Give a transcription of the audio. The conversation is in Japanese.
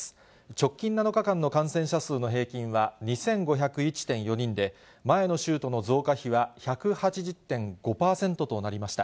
直近７日間の感染者数の平均は２５０１．４人で、前の週との増加比は１８０．５％となりました。